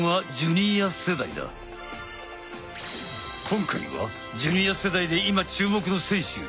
今回はジュニア世代で今注目の選手